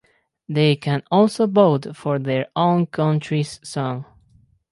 They can also vote for their own country’s song.